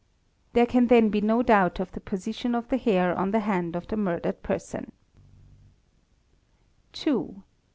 4 ¢ 5). There can then be no doubt of the position of the hair on the hand of the murdered person. | 2.